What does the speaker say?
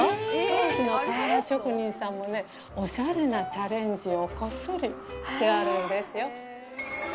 当時の瓦職人さんもね、おしゃれなチャレンジをこっそりしてあるんですよ。